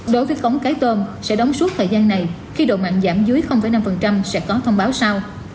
đối với cống cái tôm sẽ đóng suốt thời gian này khi độ mặn giảm dưới năm sẽ có thông báo sau